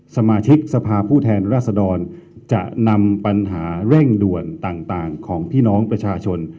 สมาชิกสภาพผู้แทนราษดรจะนำปัญหาเร่งด่วนต่างของพี่น้องประชาชน